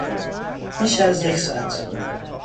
بیش از یک ساعت